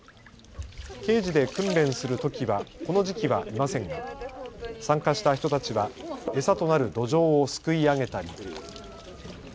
ケージで訓練するトキはこの時期はいませんが参加した人たちは餌となるドジョウをすくい上げたり。